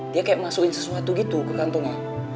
dia kayak masukin sesuatu gitu ke kantongnya